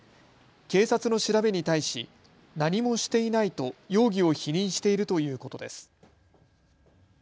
警察の調べに対し何もしていないと容疑を否認しているということです。